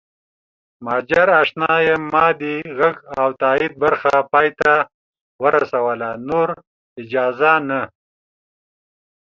مهاجراشنا یم ما د غږ او تایید برخه پای ته ورسوله نور اجازه نه